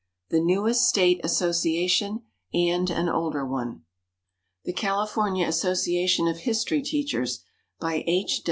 The Newest State Association and an Older One THE CALIFORNIA ASSOCIATION OF HISTORY TEACHERS. BY H.